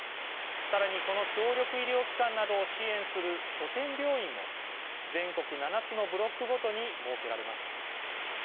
さらにこの協力医療機関などを支援する拠点病院も、全国７つのブロックごとに設けられます。